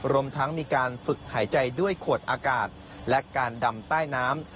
รวมทั้งมีการฝึกหายใจด้วยขวดอากาศและการดำใต้น้ำ